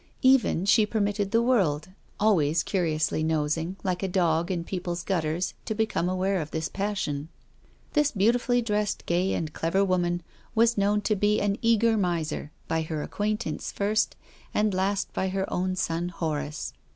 Even, she permitted the world, always curiously nosing, like a dog, in people's gutters, to become aware of this passion. This beautifully dressed, gay and clever woman was known to be an eager miser by her acquaintance first, and last by her own son Horace.